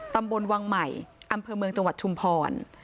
ตำบลวังใหม่อำเภอเมืองจังหวัดชุมพร